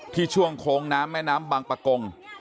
ช่วงโค้งน้ำแม่น้ำบางปะกง